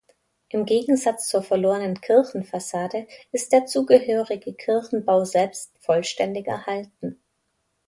Im Gegensatz zur verlorenen Kirchenfassade ist der zugehörige Kirchenbau selbst vollständig erhalten.